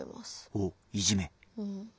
おっいじめ？